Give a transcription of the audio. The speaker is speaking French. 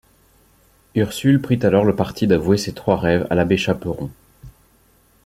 Ursule prit alors le parti d’avouer ces trois rêves à l’abbé Chaperon.